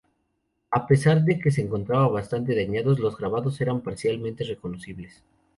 A pesar de que se encontraban bastante dañados, los grabados eran parcialmente reconocibles.